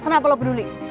kenapa lo peduli